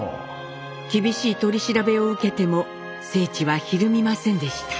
厳しい取り調べを受けても正知はひるみませんでした。